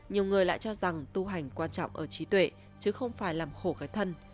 nhiều người lại cho rằng tu hành quan trọng ở trí tuệ chứ không phải làm khổ cái thân